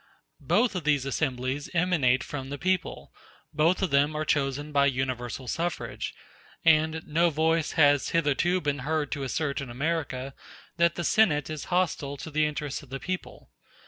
Both of these assemblies emanate from the people; both of them are chosen by universal suffrage; and no voice has hitherto been heard to assert in America that the Senate is hostile to the interests of the people.